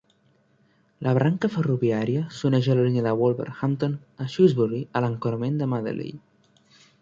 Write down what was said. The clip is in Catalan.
La branca ferroviària s'uneix a la línia de Wolverhampton a Shrewsbury en l'encreuament de Madeley.